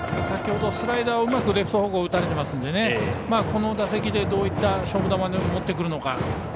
先ほどスライダーをうまくレフト方向打たれてますのでこの打席でどういった勝負球に持っていくのか。